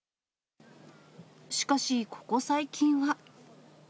しかし、ここ最近は。